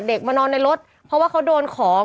มานอนในรถเพราะว่าเขาโดนของ